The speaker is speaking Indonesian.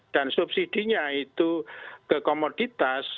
dan subsidinya itu kekomoditas